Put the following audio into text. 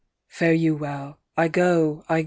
Fare you well ! I go I go